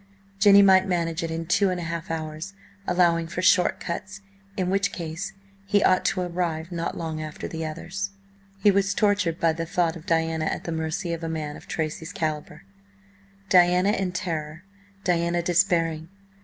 Jenny might manage it in two and a half hours, allowing for short cuts, in which case he ought to arrive not long after the others. He was tortured by the thought of Diana at the mercy of a man of Tracy's calibre; Diana in terror; Diana despairing.